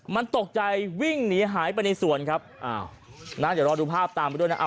มันตกใจวิ่งหนีหายไปในสวนครับอย่ารอดูภาพตามไปด้วยนะ